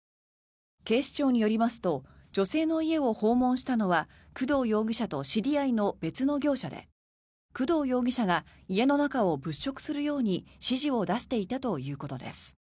警視庁によりますと女性の家を訪問したのは工藤容疑者と知り合いの別の業者で工藤容疑者が家の中を物色するように指示を出していたということです。